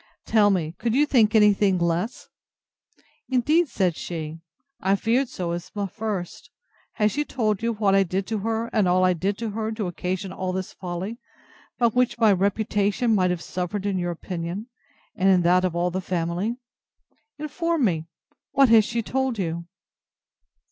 Tell me, could you think any thing less? Indeed, said she, I feared so at first. Has she told you what I did to her, and all I did to her, to occasion all this folly, by which my reputation might have suffered in your opinion, and in that of all the family.—Inform me, what she has told you?